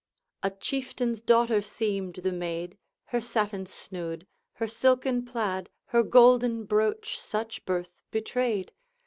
A chieftain's daughter seemed the maid; Her satin snood, her silken plaid, Her golden brooch, such birth betrayed.